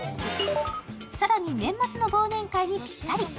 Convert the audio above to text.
更に、年末の忘年会にぴったり。